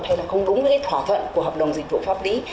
hay là không đúng với cái thỏa thuận của hợp đồng dịch vụ pháp lý